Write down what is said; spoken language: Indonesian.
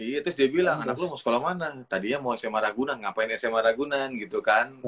iya terus dia bilang anak lo mau sekolah mana tadinya mau sma ragunan ngapain sma ragunan gitu kan